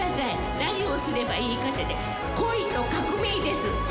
何をすればいいかって、恋と革命です。